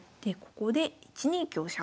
ここで１二香車。